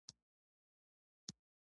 سپین پوستو واکمنانو رامنځته کړ.